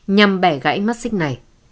nhằm bẻ gãy mắt xích này